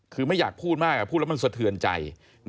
คือไม่อยากพูดมากพูดแล้วมันสะเทือนใจ